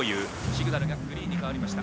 シグナルがグリーンに変わりました。